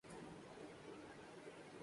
ہر چیز اسی جانب اشارہ کرتی دکھائی دیتی ہے۔